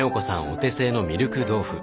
お手製のミルク豆腐